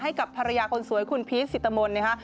ให้กับภรรยาคนสวยคุณพีชสิตมนต์นะฮะ